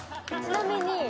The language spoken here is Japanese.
ちなみに。